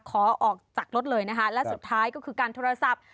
ขอออกจากรถเลยนะคะและสุดท้ายก็คือการโทรศัพท์